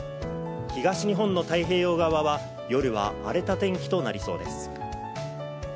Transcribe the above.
東日本の太平洋側は夜は荒れた天気となりそうです。